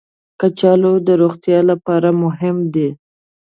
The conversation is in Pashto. کچالو د روغتیا لپاره مهم دي